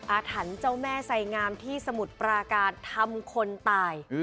อาถรรพ์เจ้าแม่ไสงามที่สมุทรปราการทำคนตาย